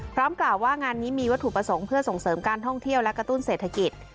กล่าวว่างานนี้มีวัตถุประสงค์เพื่อส่งเสริมการท่องเที่ยวและกระตุ้นเศรษฐกิจ